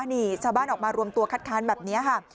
นี่ชาวบ้านออกมารวมตัวคัดค้านแบบนี้ค่ะ